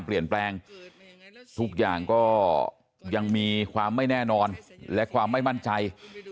เปลี่ยนแปลงทุกอย่างก็ยังมีความไม่แน่นอนและความไม่มั่นใจ